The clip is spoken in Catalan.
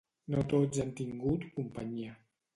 No tots han tingut companyia.